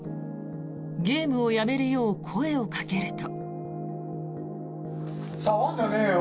ゲームをやめるよう声をかけると。